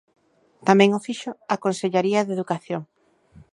Tamén o fixo a Consellaría de Educación.